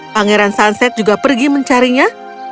pangeran sunset juga pergi mencarinya